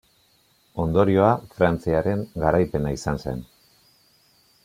Ondorioa frantziarren garaipena izan zen.